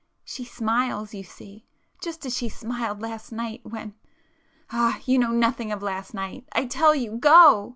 She smiles, you see,—just as she smiled last night when, ... ah, you know nothing of last night! I tell you, go!"